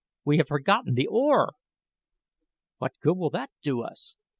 We have forgotten the oar!" "What good will that do us?"